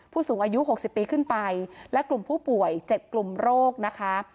ผู้สูงอายุ๖๐ปีขึ้นไปและกลุ่มผู้ป่วย๗กลุ่มโรคนะคะ